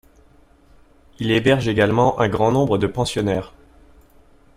Il héberge également un grand nombre de pensionnaires.